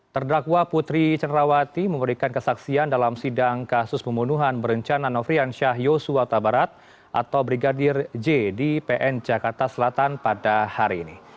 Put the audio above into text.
terdakwa putri cenrawati memberikan kesaksian dalam sidang kasus pembunuhan berencana nofrian syah yosua tabarat atau brigadir j di pn jakarta selatan pada hari ini